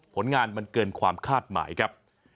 ผลงานมันเกินความคาดหมายครับ